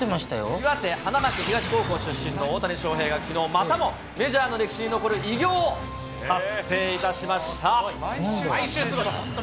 岩手・花巻東高校出身の大谷翔平がきのう、またもメジャーの歴史に残る達成いたしました。